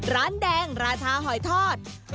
ร้านแดงราชาหอยทอด